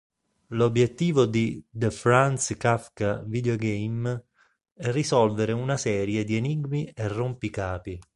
L'obiettivo di "The Franz Kafka Videogame" è risolvere una serie di enigmi e rompicapi.